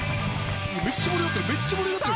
めっちゃ盛り上がってる。